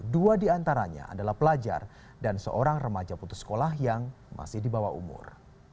dua diantaranya adalah pelajar dan seorang remaja putus sekolah yang masih di bawah umur